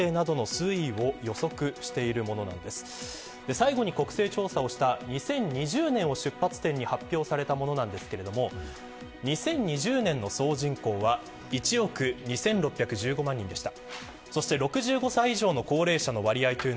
最後に国勢調査をした２０２０年を出発点に発表されたものなんですけれども２０２０年の総人口は１億２６１５万人でした。